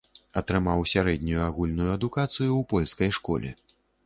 Атрымаў сярэднюю агульную адукацыю ў польскай школе.